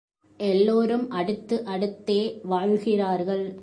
எல்லோரும் அடுத்து அடுத்தே வாழ்கிறார்கள்.